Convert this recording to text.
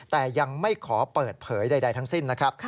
แต่ยังไม่ขอเปิดเผยใดทั้งสิ้นนะครับ